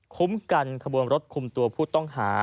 คุ้มกันขบวนรถคุมตัวผู้ต้องหา